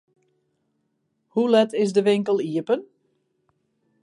Hoe let is de winkel iepen?